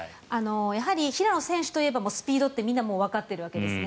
平野選手といえばスピードってみんなもうわかっているわけですね。